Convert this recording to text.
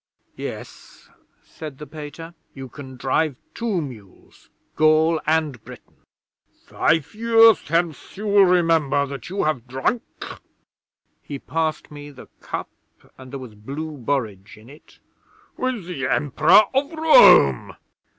'"Yes," said the Pater, "you can drive two mules Gaul and Britain." '"Five years hence you will remember that you have drunk" he passed me the cup and there was blue borage in it "with the Emperor of Rome!"